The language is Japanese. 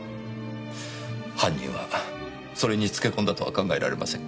犯人はそれに付け込んだとは考えられませんか？